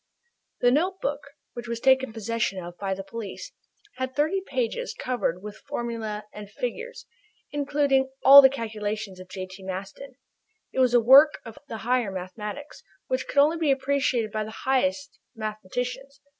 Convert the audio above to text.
The notebook, which was taken possession of by the police, had thirty pages covered with formulae and figures, including all the calculations of J.T. Maston. It was a work of the higher mathematics, which could only be appreciated by the highest mathematicians.